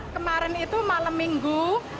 kemarin itu malam minggu